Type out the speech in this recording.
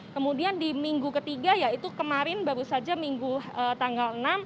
kemudian di minggu ketiga yaitu kemarin baru saja minggu tanggal enam